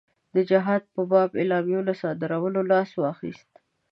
د جهاد په باب اعلامیو له صادرولو لاس واخیست.